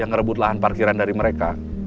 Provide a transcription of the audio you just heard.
merebut lahan parkiran dari mereka